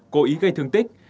cô ý gây thương tích